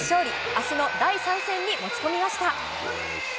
あすの第３戦に持ち込みました。